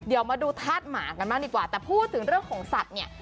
เดี๋ยวมาดูธาตุหมากันบ้างดีกว่าแต่พูดถึงเรื่องของสัตว์เนี่ย